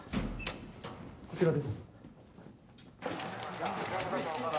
こちらです。